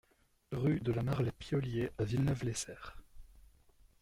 Rue de la Mare Les Pioliers à Villeneuve-les-Cerfs